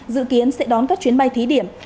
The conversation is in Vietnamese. dự kiến sẽ đón các chuyến bay thí điểm